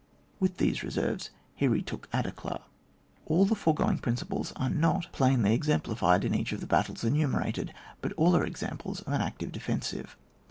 With these re serves he retook Aderklaa. All the foregoing principles are not SUMMARY OF INSTRUCTIOIT. lOl plainly exemplified in each of the battles enumerated, but all are examples of an active defensive.